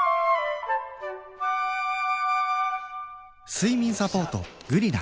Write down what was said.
睡眠サポート「グリナ」